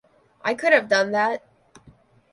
I could have done that.